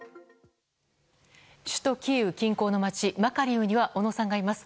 首都キーウ近郊の街マカリウには小野さんがいます。